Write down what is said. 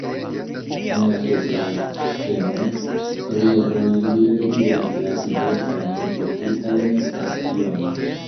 En la supraj skemoj, koloroj bildigas la diversajn politikajn partiojn.